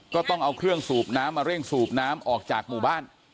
ก็ต้องเอาเครื่องสูบน้ำมาเร่งสูบน้ำออกจากหมู่บ้าน